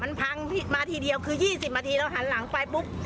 มันพังมาทีเดียวคือ๒๐นาทีเราหันหลังไปปุ๊บ